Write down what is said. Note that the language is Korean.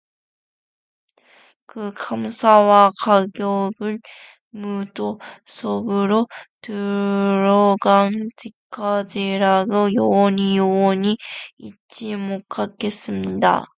그 감사와 감격은 무덤 속으로 들어간 뒤까지라도 영원히 영원히 잊지 못하겠습니다.